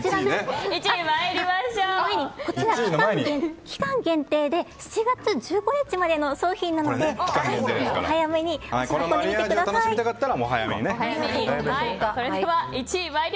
こちら期間限定で７月１５日までの商品なのでお早めに足を運んでみてください。